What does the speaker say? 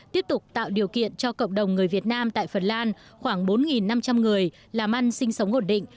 tiếp tục tạo điều kiện cho cộng đồng người việt nam tại phần lan khoảng bốn năm trăm linh người làm ăn sinh sống ổn định